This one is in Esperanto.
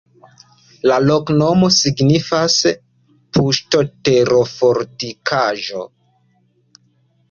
La loknomo signifas pusto-terofortikaĵo.